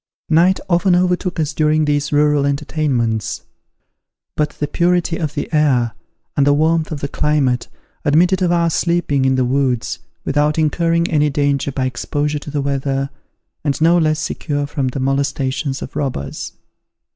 Night often overtook us during these rural entertainments; but the purity of the air and the warmth of the climate, admitted of our sleeping in the woods, without incurring any danger by exposure to the weather, and no less secure from the molestations of robbers.